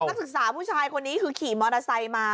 นักศึกษาผู้ชายคนนี้คือขี่มอเตอร์ไซค์มา